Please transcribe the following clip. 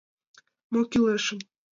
— Мо кӱлешым...